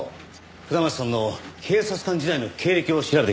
下松さんの警察官時代の経歴を調べてきました。